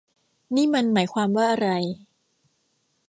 นี่มันหมายความว่าอะไร